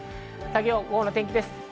午後の天気です。